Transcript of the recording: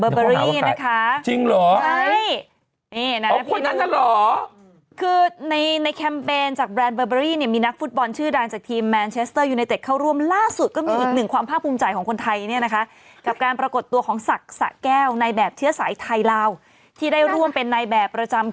นะคะจริงเหรอใช่นี่นะคนนั้นน่ะเหรอคือในในแคมเปญจากแบรนด์เบอร์เบอรี่เนี่ยมีนักฟุตบอลชื่อดังจากทีมแมนเชสเตอร์ยูไนเต็ดเข้าร่วมล่าสุดก็มีอีกหนึ่งความภาคภูมิใจของคนไทยเนี่ยนะคะกับการปรากฏตัวของศักดิ์สะแก้วในแบบเชื้อสายไทยลาวที่ได้ร่วมเป็นในแบบประจำ